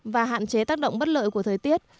và hạn chế tác động bất lợi của thời tiết